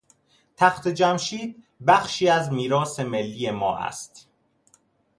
تخت جمشید بخشی از میراث ملی ما است.